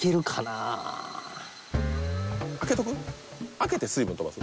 開けて水分飛ばす？